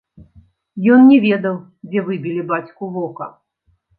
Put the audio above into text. Ён не ведаў, дзе выбілі бацьку вока.